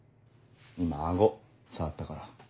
今顎触ったから。